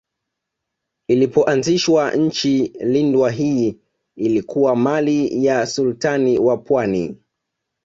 Ilipoanzishwa Nchi lindwa hii ilikuwa mali ya Sultani wa Pwani